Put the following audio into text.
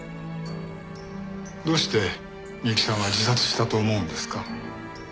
どうして美雪さんは自殺したと思うんですか？